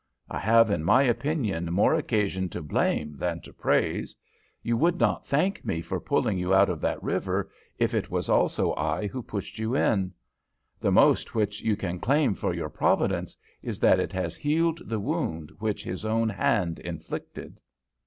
I have in my opinion more occasion to blame than to praise. You would not thank me for pulling you out of that river if it was also I who pushed you in. The most which you can claim for your Providence is that it has healed the wound which its own hand inflicted."